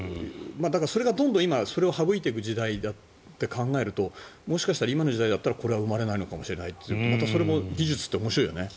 だからそれがどんどん今はそれを省いていく時代だと考えるともしかしたら今の時代だったらこれは生まれないのかもしれないというまたそれも技術って面白いよね。